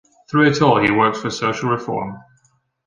Through it all he worked for social reform.